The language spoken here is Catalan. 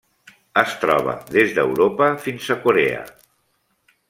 Es troba des d'Europa fins a Corea.